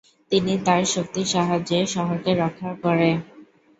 তিনি তার শক্তির সাহায্যে শহর কে রক্ষা করে।